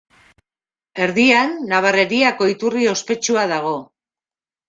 Erdian Nabarreriako iturri ospetsua dago.